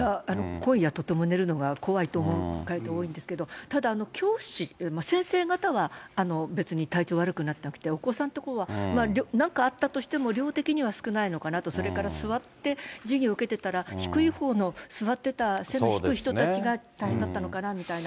今夜、とても寝るのが怖いと思う方多いと思うんですけど、ただ教師、先生方は別に体調悪くなってなくて、お子さんとかはなんかあったとしても、量的には少ないのかなと、それから座って、授業受けてたら、低いほうの、座ってた背の低い人たちが大変だったのかなみたいな。